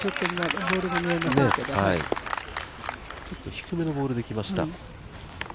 低めのボールできました。